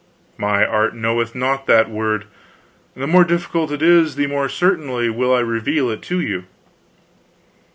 "My art knoweth not that word. The more difficult it is, the more certainly will I reveal it to you."